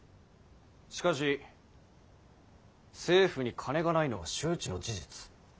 しかし政府に金がないのは周知の事実。